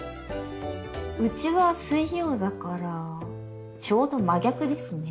うちは水曜だからちょうど真逆ですね。